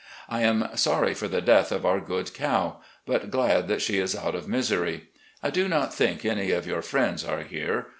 I am sorry for the death of our good cow, but glad that she is out of misery. ... I do not think any of your friends are here.